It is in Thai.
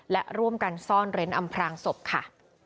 และร่วมกันซ่อนเร้นอำพรางศพค่ะ